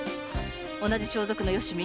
同じ装束のよしみ。